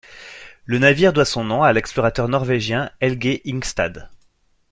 Le navire doit son nom à l'explorateur norvégien Helge Ingstad.